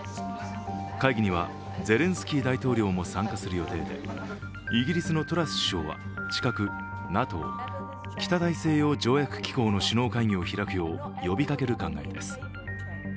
会議にはゼレンスキー大統領も参加する予定で、イギリスのトラス首相は近くＮＡＴＯ＝北大西洋条約機構の首脳会議を開くよう呼びかける考えです。